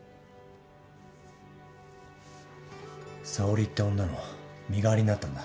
さおりって女の身代わりになったんだ。